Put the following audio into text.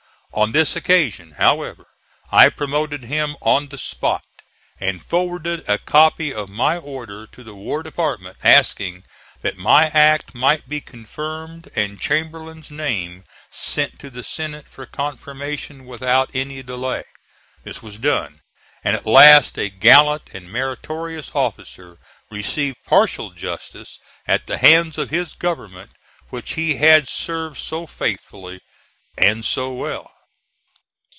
On this occasion, however, I promoted him on the spot, and forwarded a copy of my order to the War Department, asking that my act might be confirmed and Chamberlain's name sent to the Senate for confirmation without any delay. This was done, and at last a gallant and meritorious officer received partial justice at the hands of his government, which he had served so faithfully and so well.